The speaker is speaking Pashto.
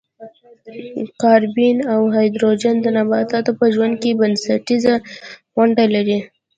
کاربن او هایدروجن د نباتاتو په ژوند کې بنسټیزه ونډه لري.